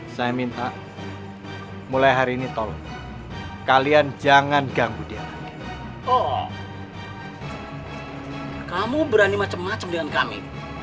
saya minta mulai hari ini tolong kalian jangan ganggu dia tolong kamu berani macam macam dengan kami